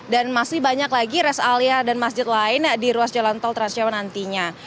dan masih banyak lagi rest area dan masjid lain di ruas jalan tol transcewek nantinya